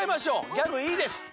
ギャグいいです。